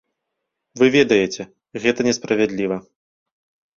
Вы ведаеце, гэта несправядліва.